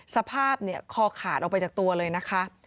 สภาพคอขาดออกไปจากตัวเลยนะคะ